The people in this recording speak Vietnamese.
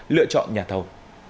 lựa chọn nhà thầu